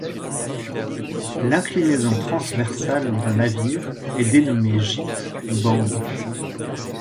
L'inclinaison transversale d'un navire est dénommée gîte ou bande.